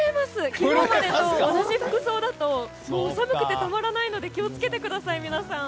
昨日までと同じ服装だと寒くてたまらないので気を付けてください、皆さん。